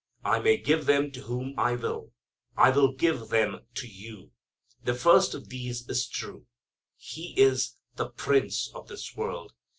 I may give them to whom I will. I will give them to you. The first of these is true. He is "the prince of this world."